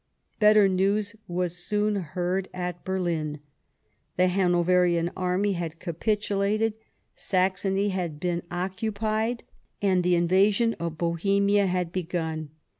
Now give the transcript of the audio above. Better news was soon heard at Berlin ; the Hano verian army had capitulated ; Saxony had been occupied, and the invasion of Bohemia had begun.